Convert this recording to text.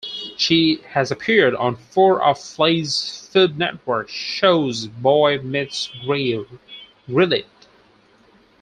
She has appeared on four of Flay's Food Network shows-"Boy Meets Grill", "Grill It!